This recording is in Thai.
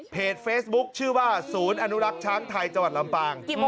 เฟซบุ๊คชื่อว่าศูนย์อนุรักษ์ช้างไทยจังหวัดลำปาง